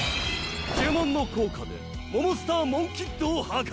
呪文の効果でモモスターモンキッドを破壊。